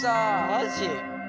マジ？